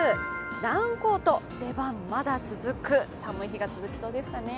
ダウンコート、出番まだ続く、寒い日が続きそうですかね。